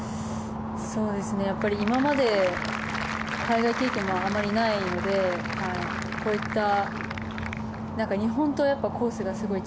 今まで、海外経験もあまりないのでこういった日本とコースがすごい